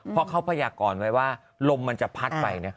เพราะเขาพยากรไว้ว่าลมมันจะพัดไป